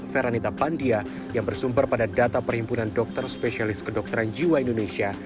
feranita pandia yang bersumber pada data perhimpunan dokter spesialis kedokteran jiwa indonesia